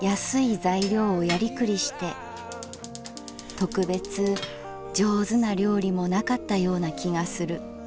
特別上手な料理もなかったような気がする。